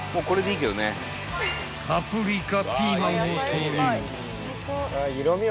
［パプリカピーマンを投入］